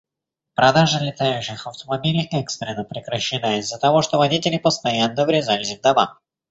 Продажа летающих автомобилей экстренно прекращена из-за того, что водители постоянно врезались в дома.